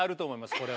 これは。